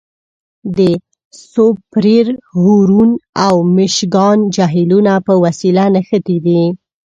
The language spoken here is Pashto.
د سوپریر، هورن او میشګان جهیلونه په وسیله نښتي دي.